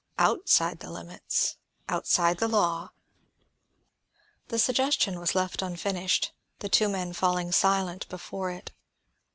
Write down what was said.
Outside the limits, outside the law " The suggestion was left unfinished, the two men falling silent before it.